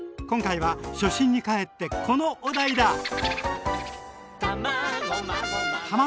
今回は初心に返ってこのお題だ！